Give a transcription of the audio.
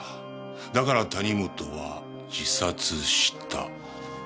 だから谷本は自殺した。